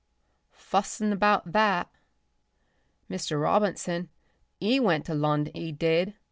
"Fussin' about thea." "Mr. Robinson, 'e went to Lon', 'e did.